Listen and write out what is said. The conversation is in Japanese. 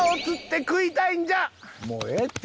もうええって。